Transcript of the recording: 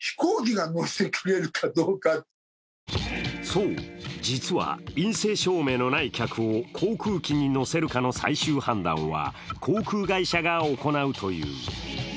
そう、実は陰性証明のない客を航空機に乗せるかの最終判断は航空会社が行うという。